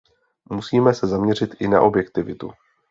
Musíme se zaměřit i na objektivitu.